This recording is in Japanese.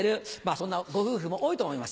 そんなご夫婦も多いと思います。